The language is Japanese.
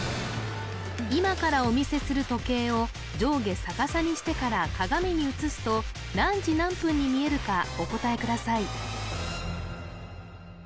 今からお見せする時計を上下逆さにしてから鏡に映すと何時何分に見えるかお答えください